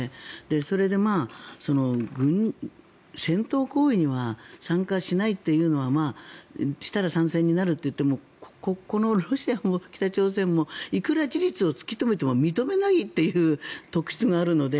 それで、戦闘行為には参加しないというのはしたら参戦になるといってもこのロシアも北朝鮮もいくら事実を突きつけても認めないという特徴があるので